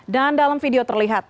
dan dalam video terlihat